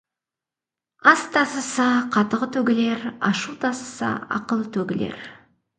Ас тасыса, қатығы төгілер, ашу тасыса, ақылы төгілер.